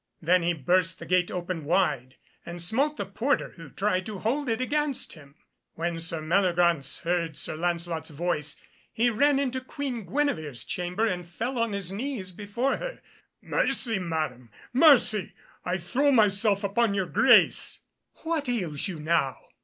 Then he burst the gate open wide, and smote the porter who tried to hold it against him. When Sir Meliagraunce heard Sir Lancelot's voice, he ran into Queen Guenevere's chamber and fell on his knees before her: "Mercy, Madam, mercy! I throw myself upon your grace." "What ails you now?"